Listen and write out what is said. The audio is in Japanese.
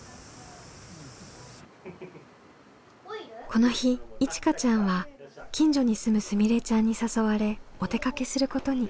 この日いちかちゃんは近所に住むすみれちゃんに誘われお出かけすることに。